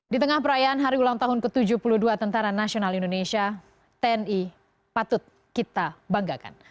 di tengah perayaan hari ulang tahun ke tujuh puluh dua tentara nasional indonesia tni patut kita banggakan